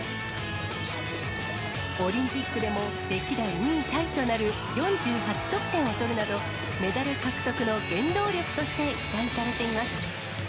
オリンピックでも歴代２位タイとなる４８得点を取るなど、メダル獲得の原動力として期待されています。